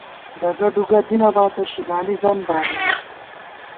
ڈگہ ڈُوگہ دی نہ باتہ ، شِگالی زَن بانِمېت